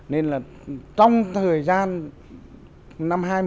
nên là trong thời gian năm hai nghìn một mươi